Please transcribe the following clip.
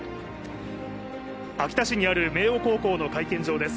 秋田市にある明桜高校の会見場です。